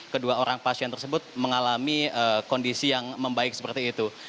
kedua orang pasien tersebut mengalami kondisi yang membaik seperti itu